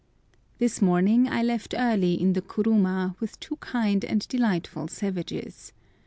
THIS morning I left early in the kuruma with two kind and delightful savages.